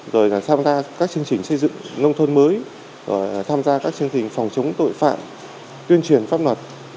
rồi là tham gia các chương trình xây dựng nông thôn mới rồi tham gia các chương trình phòng chống tội phạm tuyên truyền pháp luật